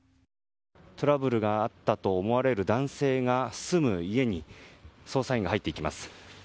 トラブルがあったとみられる男性が住む家に捜査員が入っていきます。